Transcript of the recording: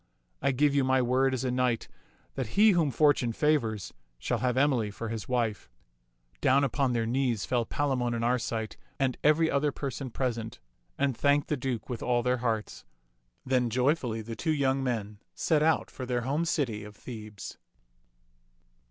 I give you my word as a knight that he whom fortune favors shall have Emily for his wife." Down upon their knees fell Palamon and Arcite and every other person present, and thanked the Duke with all their hearts. Then joyfully the two young men set out for their home city of Thebes.